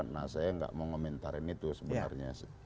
nah saya nggak mau ngomentarin itu sebenarnya